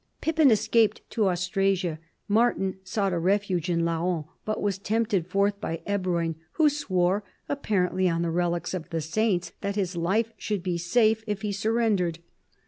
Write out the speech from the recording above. Pippin escaped to Austrasia; Martin sought a refuge in Laon, but was tempted forth by Ebroin, who swore, apparently on the relics of the saints, that his life should be safe if he surrendered.